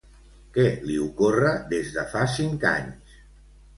Què li ocorre des de fa cinc anys?